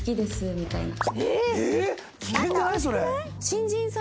みたいな。